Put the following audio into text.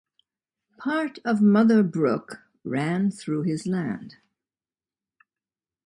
Part of Mother Brook ran through his land.